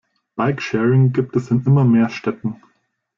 Bikesharing gibt es in immer mehr Städten.